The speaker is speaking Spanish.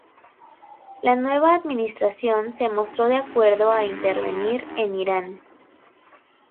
La nueva administración se mostró de acuerdo a intervenir en Irán.